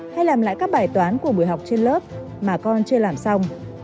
hay làm lại các bài toán của buổi học trên lớp mà con chưa làm xong